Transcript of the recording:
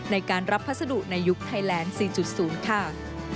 ในการรับพัสดุในยุคไทยแลนด์๔๐ค่ะ